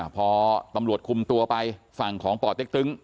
พอตำรวจคุมตัวไปฝั่งของป่อเต็กตึ๊ง